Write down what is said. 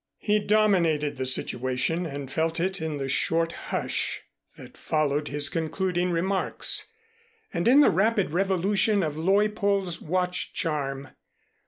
He dominated the situation and felt it in the short hush that followed his concluding remarks, and in the rapid revolution of Leuppold's watch charm.